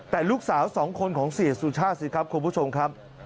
แต่ลูกสาวสองคนของเสียสุชาติสิครับคุณผู้ชมครับ